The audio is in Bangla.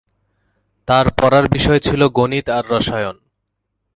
তার পড়ার বিষয় ছিল গণিত আর রয়াসন।